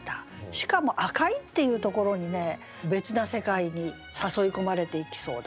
しかも「赤い」っていうところにね別な世界に誘い込まれていきそうだ。